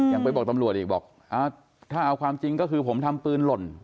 ยังไปบอกตำรวจอีกบอกถ้าเอาความจริงก็คือผมทำปืนหล่น